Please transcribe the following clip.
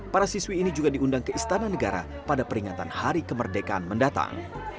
para siswi ini juga diundang ke istana negara pada peringatan hari kemerdekaan mendatang